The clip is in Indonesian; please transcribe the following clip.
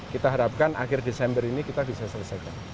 kita harapkan akhir desember ini kita bisa selesaikan